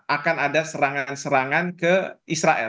akan ada serangan serangan ke israel